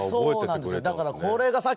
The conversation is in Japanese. そうなんですよ。